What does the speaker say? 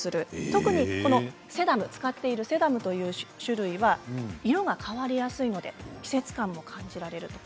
特に使っているセダムという種類は色が変わりやすいので季節感も感じられる。